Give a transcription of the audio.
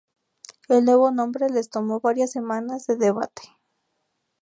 El nuevo nombre les tomó varias semanas de debate.